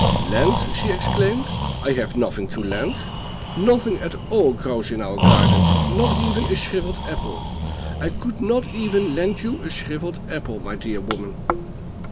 'Lend!' she exclaimed, 'I have nothing to lend; nothing at all grows in our garden, not even a shrivelled apple; I could not even lend you a shrivelled apple, my dear woman.